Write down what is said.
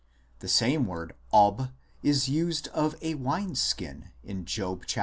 The same word, Ob, is used of a " wine skin " in Job xxxii.